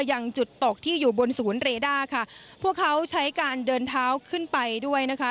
ยังจุดตกที่อยู่บนศูนย์เรด้าค่ะพวกเขาใช้การเดินเท้าขึ้นไปด้วยนะคะ